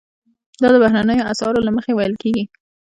دا د بهرنیو اسعارو له مخې ویل کیږي.